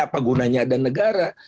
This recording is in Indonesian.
apa gunanya ada negara